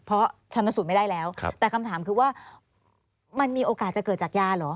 เพราะชนะสูตรไม่ได้แล้วแต่คำถามคือว่ามันมีโอกาสจะเกิดจากยาเหรอ